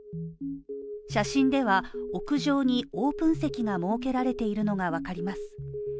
写真では屋上にオープン席が設けられているのがわかります。